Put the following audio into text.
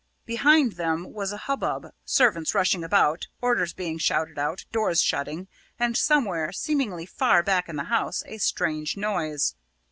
Behind them was a hubbub servants rushing about, orders being shouted out, doors shutting, and somewhere, seemingly far back in the house, a strange noise.